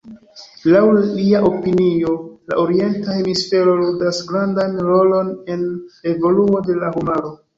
Laŭ lia opinio, la Orienta hemisfero ludas grandan rolon en evoluo de la homaro.